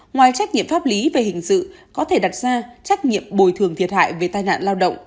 ngoài trách nhiệm pháp lý về hình sự có thể đặt ra trách nhiệm bồi thường thiệt hại về tai nạn lao động